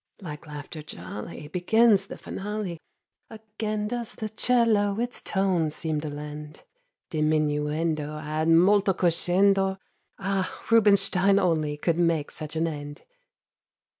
Like laughter jolly Begins the finale; Again does the 'cello its tones seem to lend Diminuendo ad molto crescendo. Ah! Rubinstein only could make such an end!